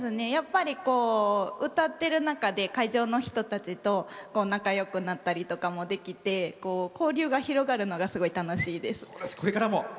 歌ってる中で会場の人たちと仲よくなったりとかもできて交流が広がるのがすごい楽しいです。